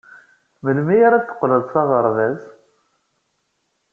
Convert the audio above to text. Melmi ara d-teqqleḍ s aɣerbaz?